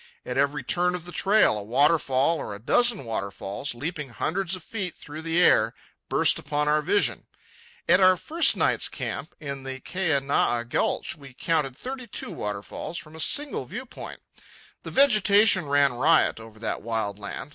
At every turn of the trail a waterfall or a dozen waterfalls, leaping hundreds of feet through the air, burst upon our vision. At our first night's camp, in the Keanae Gulch, we counted thirty two waterfalls from a single viewpoint. The vegetation ran riot over that wild land.